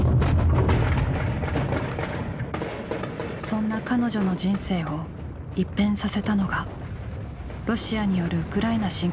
そんな彼女の人生を一変させたのがロシアによるウクライナ侵攻でした。